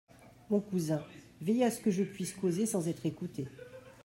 Mon cousin, veillez à ce que je puisse causer sans être écoutée.